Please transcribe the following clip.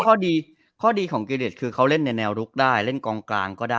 เกษตรการที่ถอยลงมาคือการแย่งกับผู้เล่นหลายคนนะ